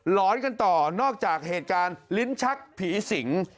หอนกันต่อนอกจากเหตุการณ์ลิ้นชักผีสิง